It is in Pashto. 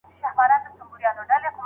دولت د تخنیکي زده کړو مرکزونه جوړوي.